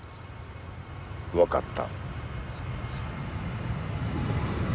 分かった。